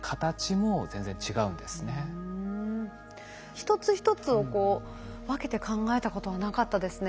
一つ一つを分けて考えたことはなかったですね